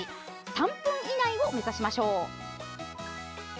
３分以内を目指しましょう。